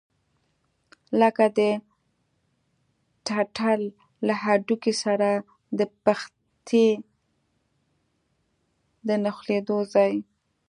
لکه د ټټر له هډوکي سره د پښتۍ د نښلېدلو ځای.